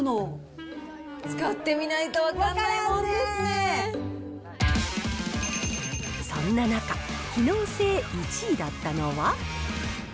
使ってみないと分かんないもそんな中、機能性１位だったのは。